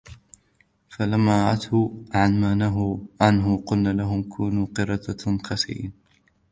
فلما عتوا عن ما نهوا عنه قلنا لهم كونوا قردة خاسئين